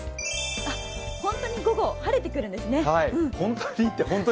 本当に午後晴れてくるんですね。